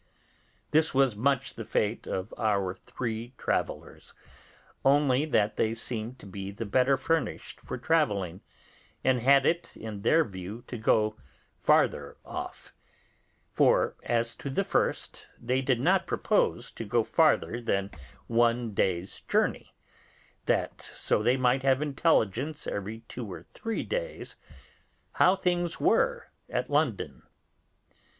This was much the fate of our three travellers, only that they seemed to be the better furnished for travelling, and had it in their view to go farther off; for as to the first, they did not propose to go farther than one day's journey, that so they might have intelligence every two or three days how things were at London.